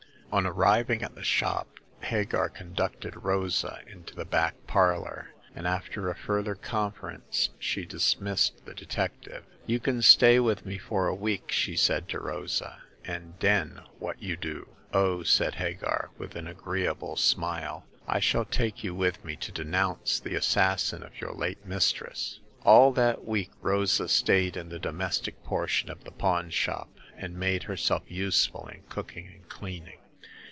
On arriving at the shop Hagar conducted Rosa into the back parlor ; and after a further confer ence she dismissed the detective. You can stay with me for a week," she said to Rosa. And den what you do ?" 0h/' said Hagar, with an agreeable smile, " I shall take you with me to denounce the assassin of your late mistress.*' All that week Rosa stayed in the domestic portion of the pawn shop, and made herself use ful in cooking and cleaning.